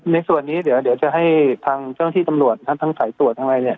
ในส่วนนี้เดี๋ยวจะให้ทางเจ้าที่ตำรวจทั้งสายตรวจทั้งอะไรเนี่ย